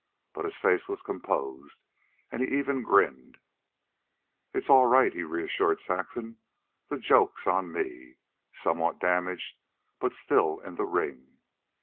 But his face was composed, and he even grinned. "It's all right," he reassured Saxon. "The joke's on me. Somewhat damaged but still in the ring."